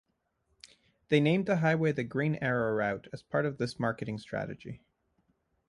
They named the highway the Green Arrow Route as part of this marketing strategy.